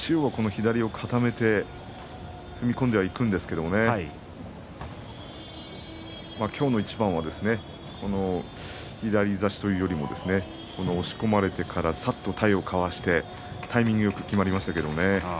左を抜く固めて踏み込んではいくんですけれどもね、今日の一番は左差しというよりも押し込まれてから、さっと体をかわしてタイミングよくきまりましたけれどもね。